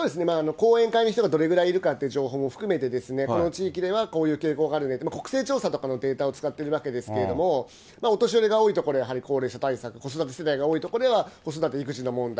後援会に人がどれぐらいいるかという情報も含めて、この地域ではこういう傾向があるんだとか、国勢調査とかのデータを使っているわけですけれども、お年寄りが多い所はやはり高齢者対策、子育て世帯が多い所では、子育て、育児の問題。